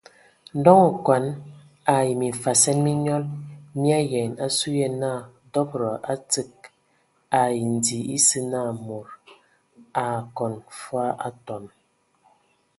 Ndɔŋ okɔn ai mimfasɛn mi nyɔl mi ayaan asu yə naa dɔbəda a tsig ai ndi esə na mod a akɔn fwa atɔm.